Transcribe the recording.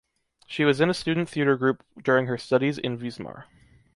She was in a student theater group during her studies in Wismar.